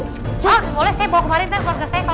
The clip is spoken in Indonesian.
hah boleh saya bawa kemarin ke keluarga saya